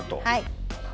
はい。